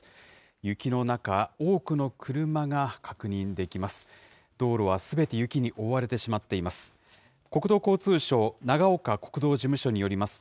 雪の中、多くの車が確認できます。